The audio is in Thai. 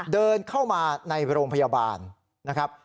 เดินเข้ามาในโรงพยาบาลนะครับ